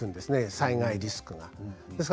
災害リスクが。